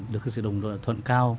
được sự đồng đội thuận cao